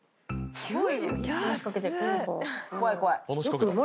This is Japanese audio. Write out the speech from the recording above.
怖い怖い。